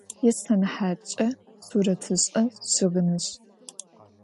Yisenehatç'e suretış'e - şığınış'.